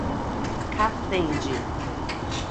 Catende